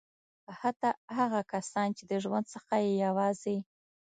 حتی هغه کسان چې د ژوند څخه یې یوازې.